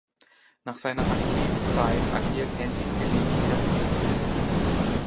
Nach seiner aktiven Zeit agiert Hensel gelegentlich als Tennistrainer.